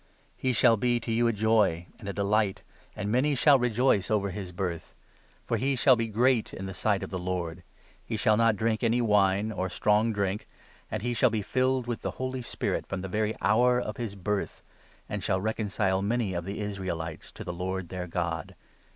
He shall be to you a joy and a 14 delight ; and many shall rejoice over his birth. For he shall 15 be great in the sight of the Lord ; he shall not drink any wine or strong drink, and he shall be filled with the Holy Spirit from the very hour of his birth, and shall reconcile many of the 16 Israelites to the Lord their God.